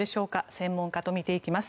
専門家と見ていきます。